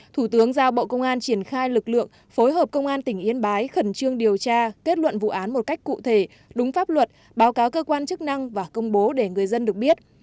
thủ tướng giao bộ công an triển khai lực lượng phối hợp công an tỉnh yên bái khẩn trương điều tra kết luận vụ án một cách cụ thể đúng pháp luật báo cáo cơ quan chức năng và công bố để người dân được biết